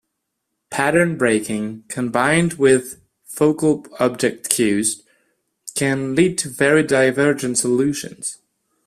Pattern-breaking, combined with focal object cues, can lead to very divergent solutions.